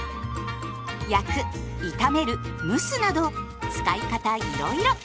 焼く炒める蒸すなど使い方いろいろ。